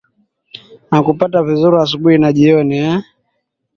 nakupata vizuri asubuhi na jioni ee